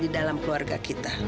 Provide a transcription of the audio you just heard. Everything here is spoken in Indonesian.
di dalam keluarga kita